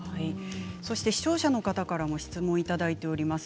視聴者の方からも質問をいただいています。